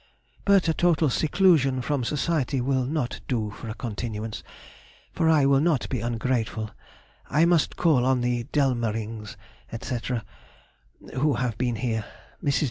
But a total seclusion from society will not do for a continuance, for I will not be ungrateful, I must call on the Delmerings, &c.,—who have been here. Mrs.